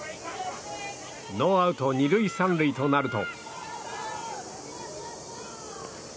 ノーアウト２塁３塁となると。